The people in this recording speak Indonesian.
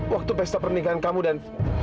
waktu pesta pernikahan kamu dan